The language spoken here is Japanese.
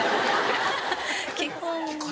基本は。